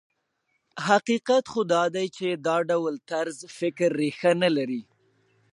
حقیقت خو دا دی چې دا ډول طرز فکر ريښه نه لري.